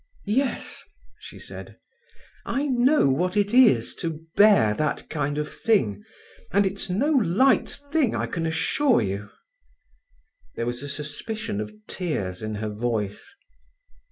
"Yes," she said. "I know what it is to bear that kind of thing—and it's no light thing, I can assure you." There was a suspicion of tears in her voice.